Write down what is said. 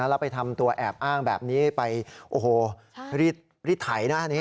แล้วไปทำตัวแอบอ้างแบบนี้ไปโอ้โหรีดไถนะอันนี้